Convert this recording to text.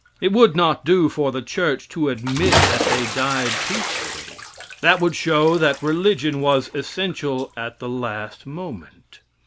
It would not do for the church to admit that they died peacefully. That would show that religion was essential at the last moment.